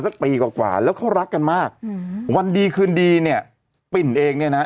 สักปีกว่ากว่าแล้วเขารักกันมากอืมวันดีคืนดีเนี่ยปิ่นเองเนี่ยนะฮะ